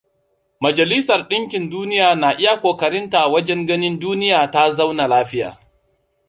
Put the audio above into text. Majalisar ɗinkin duniya na iya ƙoƙarinta wajen ganin duniya ta zauna lafiya.